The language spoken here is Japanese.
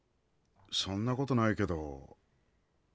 そんなことないけど。